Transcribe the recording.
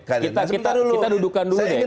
kita dudukan dulu deh